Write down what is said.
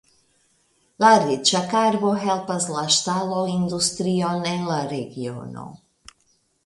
La riĉa karbo helpas la ŝtaloindustrion en la regiono.